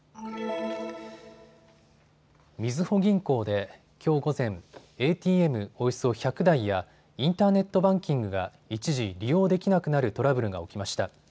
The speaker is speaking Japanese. みずほ銀行できょう午前、ＡＴＭおよそ１００台やインターネットバンキングが一時利用できなくなるトラブルが起きました。